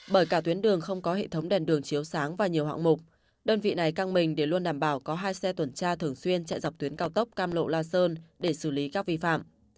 bởi cả tuyến đường không có hệ thống đèn đường chiếu sáng và nhiều hạng mục đơn vị này căng mình để luôn đảm bảo có hai xe tuần tra thường xuyên chạy dọc tuyến cao tốc cam lộ la sơn để xử lý các vi phạm